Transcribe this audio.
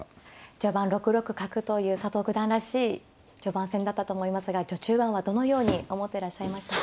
序盤６六角という佐藤九段らしい序盤戦だったと思いますが序中盤はどのように思ってらっしゃいましたか。